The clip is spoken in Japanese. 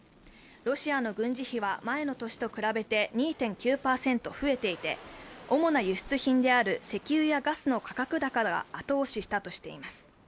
ロシアの軍事費は前の年と比べて２．９％増えていて主な輸出品である石油がガスの価格だかが後押ししたとしています。